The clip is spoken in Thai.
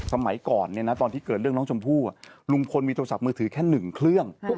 สมัยก่อนตอนที่เกิดเรื่องน้องชมพู่ลุงพลมีโทรศัพท์มือถือแค่๑เครื่อง